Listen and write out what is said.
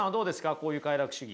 こういう快楽主義。